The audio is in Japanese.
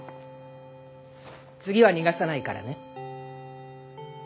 次は逃がさないからね。